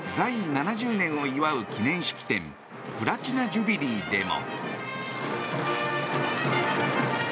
７０年を祝う記念式典プラチナ・ジュビリーでも。